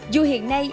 dù hiện nay